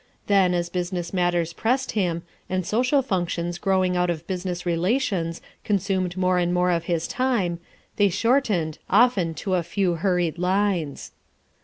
Then, as business matters pressed Mm, and social functions growing out of business relations consumed more and more of his time, they short ened, often to a few hurried lines.